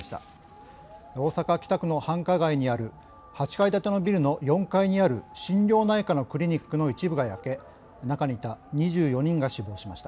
大阪・北区の繁華街にある８階建てのビルの４階にある心療内科のクリニックの一部が焼け中にいた２４人が死亡しました。